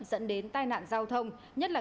dẫn đến tai nạn giao thông nhất là